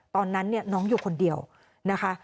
ตอนนั้นเนี่ยน้องอยู่คนเดียวนะคะ